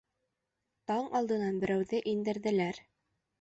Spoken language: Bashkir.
Таң алдынан берәүҙе индерҙеләр.